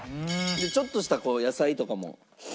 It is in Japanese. ちょっとした野菜とかも。